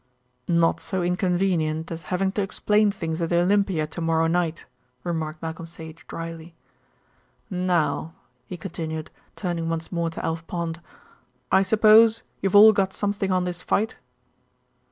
"Not so inconvenient as having to explain things at the Olympia to morrow night," remarked Malcolm Sage drily. "Now," he continued, turning once more to Alf Pond, "I suppose you've all got something on this fight."